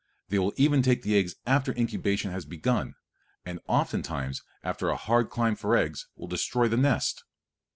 They will even take the eggs after incubation has begun, and often times, after a hard climb for the eggs, will destroy the nest.